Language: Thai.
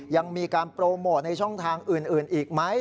ยังมีการโปรโมทในช่องทางอื่นอีกไหม